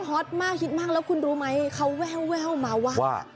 อตมากฮิตมากแล้วคุณรู้ไหมเขาแววมาว่า